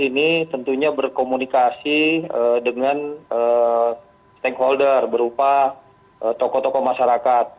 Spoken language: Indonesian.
ini tentunya berkomunikasi dengan stakeholder berupa tokoh tokoh masyarakat